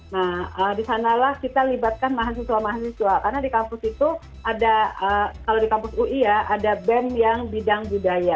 nah disanalah kita libatkan mahasiswa mahasiswa karena di kampus itu ada kalau di kampus ui ya ada band yang bidang budaya